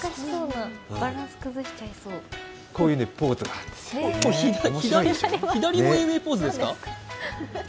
こういうポーズがあるんですよ。